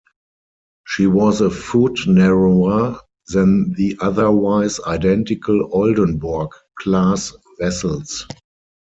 She was a foot narrower than the otherwise identical "Oldenborg"-class vessels.